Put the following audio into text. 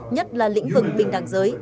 nhất là lĩnh vực bình đẳng giới